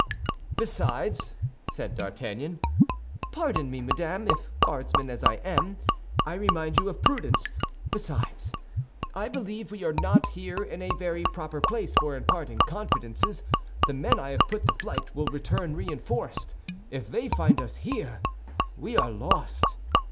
"Besides," said D'Artagnan, "pardon me, madame, if, guardsman as I am, I remind you of prudence—besides, I believe we are not here in a very proper place for imparting confidences. The men I have put to flight will return reinforced; if they find us here, we are lost.